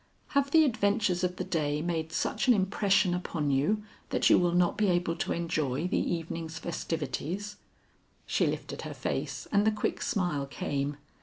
"Have the adventures of the day made such an impression upon you that you will not be able to enjoy the evening's festivities?" She lifted her face and the quick smile came.